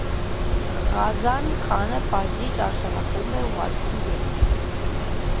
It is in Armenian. Ղազան խանը պատժիչ արշավախումբ է ուղարկում երկիր։